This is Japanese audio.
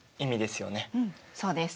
そうです。